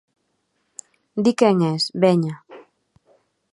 _Di quen es, veña.